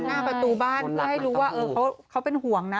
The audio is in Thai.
หน้าประตูบ้านเพื่อให้รู้ว่าเขาเป็นห่วงนะ